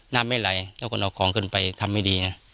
น้ำไม่ไหลแล้วก็เอาของขึ้นไปทำไม่ดีไง